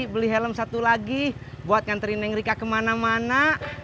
beli helm satu lagi buat nganterin engrika kemana mana